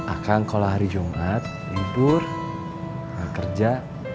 akang kalau hari jumat tidur gak kerja